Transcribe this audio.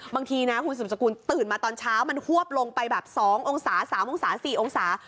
บางทีนะคุณสุมสกุลตื่นมาตอนเช้ามันฮวบลงไปแบบ๒องศา๓องศา๔องศา